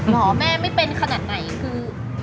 แม่ไม่เป็นขนาดไหนคือ